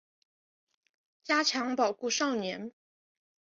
加强保护少年